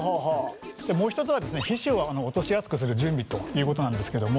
もう一つは皮脂を落としやすくする準備ということなんですけども。